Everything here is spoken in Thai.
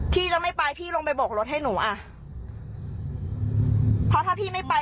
พี่จะไม่ไปพี่ลงไปโบกรถให้หนูอ่ะเพราะถ้าพี่ไม่ไป